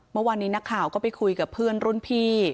เมื่อวานนี้นักข่าวก็ไปคุยกับเพื่อนรุ่นพี่